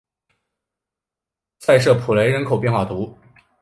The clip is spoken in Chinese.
塞舍普雷人口变化图示